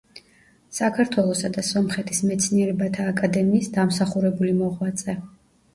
საქართველოსა და სომხეთის მეცნიერებათა აკადემიის დამსახურებული მოღვაწე.